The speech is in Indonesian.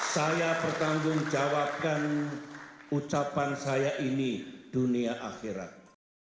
saya bertanggung jawabkan ucapan saya ini dunia akhirat